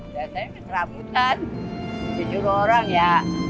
biasanya diserabutan di juru orang ya